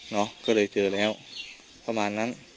ก็เลยเจอแล้วประมาณนั้น